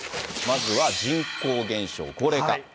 まずは人口減少、高齢化。